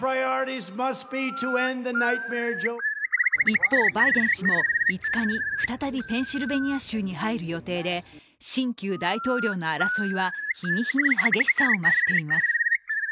一方、バイデン氏も５日に再びペンシルベニア州に入る予定で新旧大統領の争いは日に日に激しさを増しています。